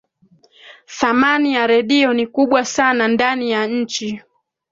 thamani ya redio ni kubwa sana ndani ya nchi